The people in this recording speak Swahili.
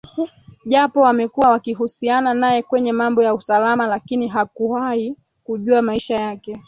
Japo wamekuwa wakihusiana naye kwenye mambo ya usalama lakini hakuahi kujua Maisha yake